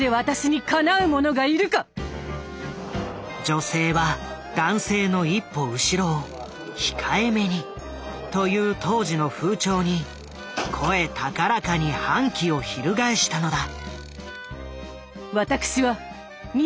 「女性は男性の一歩後ろを控えめに」という当時の風潮に声高らかに反旗を翻したのだ。